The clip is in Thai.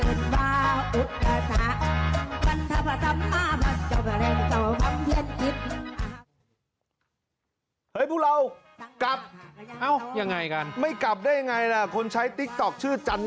เกิดว่าอุตสาหกวัฒนภาษามหาภัษจัดแรงต่อคำเพียรติภิกษ์